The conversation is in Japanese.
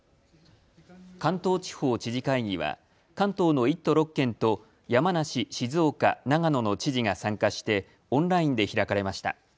関東地方知事会議は関東の１都６県と山梨、静岡、長野の知事が参加してオンラインで開かれました。